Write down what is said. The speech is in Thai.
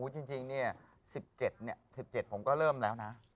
อู้จริงเนี่ย๑๗ผมก็เริ่มแล้วนะ